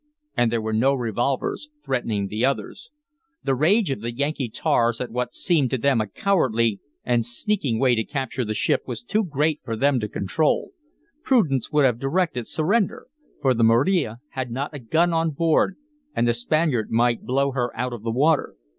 And there were no revolvers threatening the others. The rage of the Yankee tars at what seemed to them a cowardly and sneaking way to capture the ship was too great for them to control. Prudence would have directed surrender, for the Maria had not a gun on board and the Spaniard might blow her out of the water.